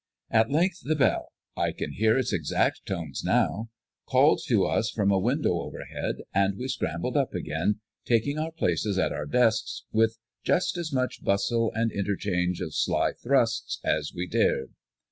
At length the bell I can hear its exact tones now called to us from a window overhead, and we scrambled up again, taking our places at our desks with just as much bustle and interchange of sly thrusts as we dared.